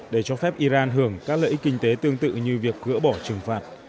để cho phép iran hưởng các lợi ích kinh tế tương tự như việc gỡ bỏ trừng phạt